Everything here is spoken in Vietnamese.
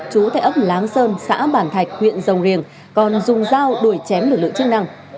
chú tại ấp láng sơn xã bản thạch huyện rồng riềng còn dùng dao đuổi chém lực lượng chức năng